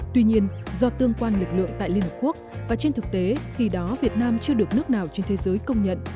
tuy nhiên do tương quan lực lượng tại liên hợp quốc và trên thực tế khi đó việt nam chưa được nước nào trên thế giới công nhận